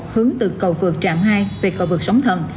hướng từ cầu vượt trạm hai về cầu vượt sóng thần